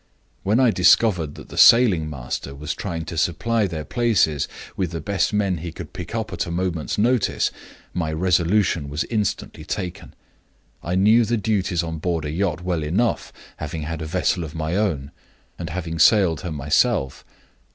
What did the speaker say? When I discovered that the sailing master was trying in, to supply their places with the best men he could pick up at a moment's notice, my resolution was instantly taken. I knew the duties on board a yacht well enough, having had a vessel of my own, and having sailed her myself.